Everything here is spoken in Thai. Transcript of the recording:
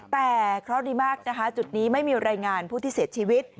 แต่เคราะห์ดีมากนะคะจุดนี้ไม่มีรายงานผู้ที่เสียชีวิต